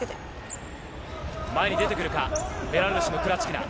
前に出てくるか、ベラルーシのクラチキナ。